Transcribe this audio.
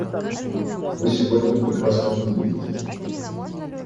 Вы сегодня прекрасно выглядите!